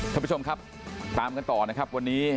ท่านผู้ชมครับตามกันต่อนะครับวันนี้